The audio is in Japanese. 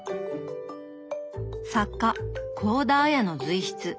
作家幸田文の随筆。